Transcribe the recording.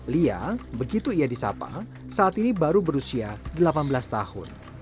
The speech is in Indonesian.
lia begitu ia disapa saat ini baru berusia delapan belas tahun